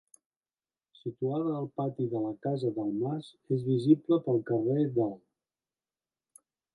Situada al pati de la Casa del Mas, és visible pel carrer del.